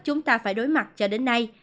chúng ta phải đối mặt cho đến nay